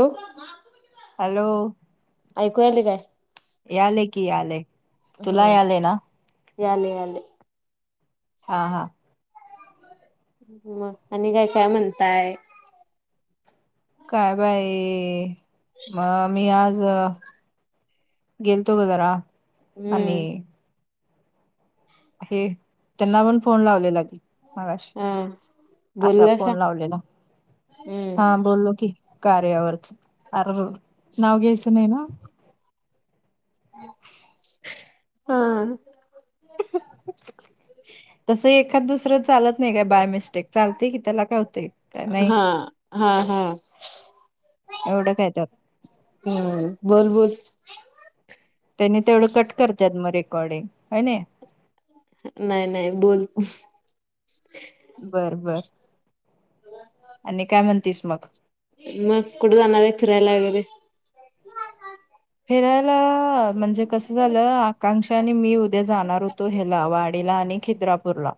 ओ hello ऐकूया तेी काय याले की यालेय हा तुला आले ना याले याले हा हा आणि काय काय म्हणताय काय बाई म मी आज गेलतो ग जरा आणि हम्म हे त्यांना पण फोन लावलेला ती मगाशी हा असा बोललासा फोन लावले ना हम्म हा बोललो की कार्यावरच अरर नाव घ्यायचं नाही ना हा तस एखाद दुसरं चालत नाही का बाय मिस्टेक चालते की त्याला का होते का नाही हा हा एवढं कायेत हम बोल बोल त्यांनी तेवढं कट करतात मग रेकॉर्डिंग आहे ना नाही नाही बोल बर बर आणि काय म्हणतीस मग मग कुठे जाणार आहे फिरायला वगैरे फिरायला म्हणजे कसं झालं आकांक्षाने मी उद्या जाणार होतो ह्याला वाडीला आणि खिद्रपूर ला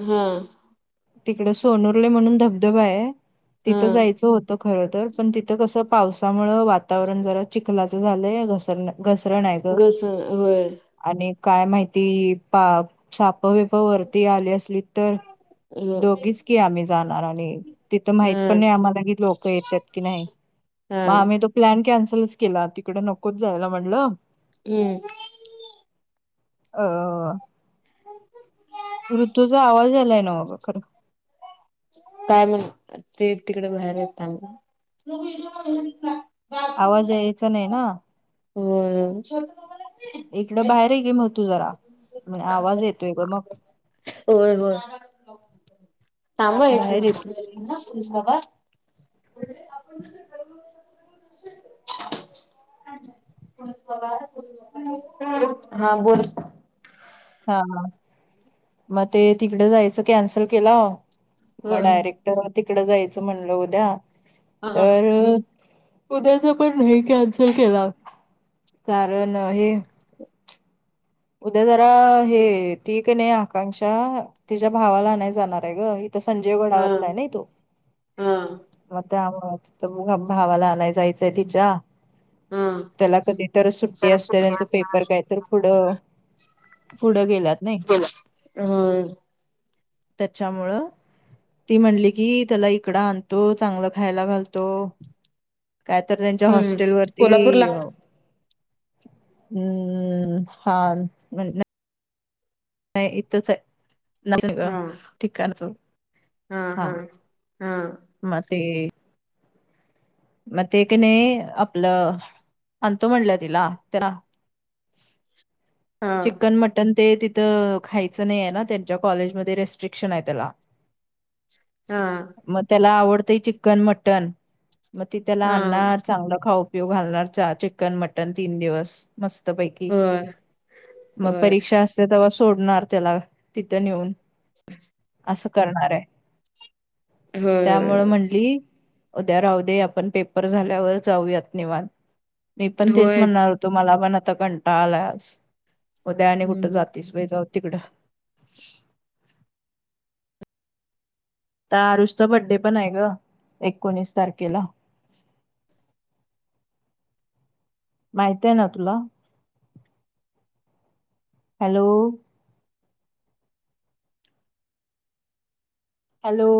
हम्म तिकड सोनुरले म्हणून धबधबा आहे हा तिथं जायचं होत खर तर पण तिथं कसं पावसामुळे वातावरण जरा चखला झालं घसर घसरण आहे ग घस होय आणि काय माहिती पा सापवेप वरती आली असली तर हो दोघीच की आम्ही जाणार आणि तिथं हा माहित पण नाही आम्हालाी लोक येतात की नाही हा मग आम्ही तो प्लॅन कॅन्सलच केला तिकडे नकोच जायला म्हणलं हम् अ ब ऋत्यूचा आवाज आलाय ना काय म्हण ते तिकडे बाहेर येतां नड आवाज यायचा नाही ना होम् इकडं बाहेरही गे म तू जरा म्हण आवाज येतोय मग ांब य बाहेर येतो बाबा [unintelligible] हा बोल हा मग ते तिकडें जायचं कॅन्सल केला मग होय डायरेक्ट तिकडं जायचं म्हणलं उद्या हा हा तर उद्याच पण नाही कॅन्सल केला कारण हे उद्या जरा हे ती का नाही आकांक्षा तिच्या भावाला नाही जाणार आहे ग तर संजय वडावातलाय हा नाही तो. मग त्यामुळे भावाला आणाय जायचंय तिच्या. हा. त्याला कधी तर सुट्टी जरा असते सुट्ट्या त्यांचं पेपर काय तर पुढं पुढं गेलात नाही गेला. होय त्याच्यामुळं ती म्हणली की त्याला इकडं आणतो चांगलं खायला घालतो काय तर त्यांच्या हम्म हॉस्टेलवरती कोल्हापूरला हम्म हा म्ह नाही इथंच नाही ग हा ठिकाणच. हा हा हा म तेे मग ते कने आपलं अंतो म्हणलं तिला त्याला हा चिकन मटन ते तिथं खायचं नाही आहे ना त्यांच्या कॉलेजमध्ये रेस्ट्रिक्शन आहे त्याला. हा. मग त्याला आवडतंय चिकन मटन. मग ती त्याला हा आणणार चांगला खाऊ पिऊ घालणार चा चिकन मटन तीन दिवस. मस्त पैकी होय मग होय परीक्षा अस तेव्हा सोडणार त्याला तिथं नेऊन [inaudible] असं करणार आहे होय त्यामुळ होय होय. म्हणली उद्या राहू दे आप ण पेपर झाल्यावर जाऊयात निवानत मी पण तेच होय. म्हणणार मला पण आता कंटाळा आज उद्या आणि कुठं हम्म जातीस जाऊ तिकडं. तर आरुषचा बड्डे पण आहे ग एकोणीस तारखेला. माहितय ना तुला. हॅलो. हॅलो.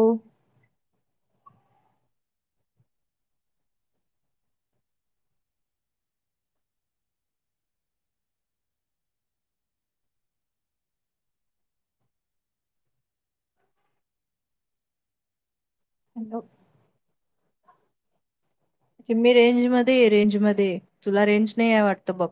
हॅलो. मी रेंज मध्ये ये रेंज मध्ये तुला रेंज नाही ये वाटत बघ.